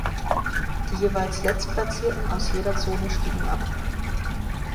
Die jeweils Letztplatzierten aus jeder Zone stiegen ab.